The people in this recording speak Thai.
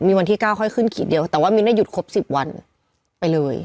มีวันที่๙ค่อยขึ้นขีดเดียวแต่ว่ามิ้นหยุดครบ๑๐วันไปเลย